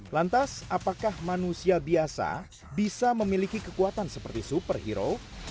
lantas apakah manusia biasa bisa memiliki kekuatan seperti superhero